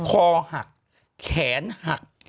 คอหักแขนหัก